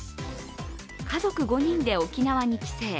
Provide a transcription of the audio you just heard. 家族５人で沖縄に帰省。